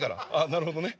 なるほどね。